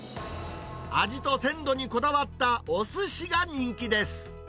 味と鮮度にこだわったおすしが人気です。